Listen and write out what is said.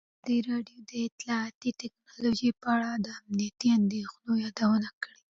ازادي راډیو د اطلاعاتی تکنالوژي په اړه د امنیتي اندېښنو یادونه کړې.